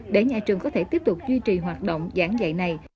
để nhà trường có thể tiếp tục duy trì hoạt động giảng dạy này